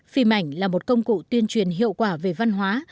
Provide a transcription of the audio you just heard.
phim ảnh là một công cụ tuyên truyền hiệu quả về văn hóa